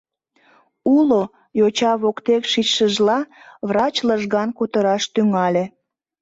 — Уло, — йоча воктек шичшыжла, врач лыжган кутыраш тӱҥале.